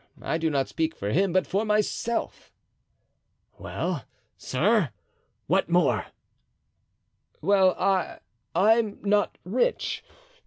I do not speak for him, but for myself." "Well, sir? What more?" "Well—I—I'm not rich.